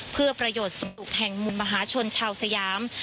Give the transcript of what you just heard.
เพื่อประโยชน์สุขแห่งมุมมหาชนชาวสยาม